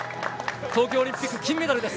東京オリンピック、金メダルです。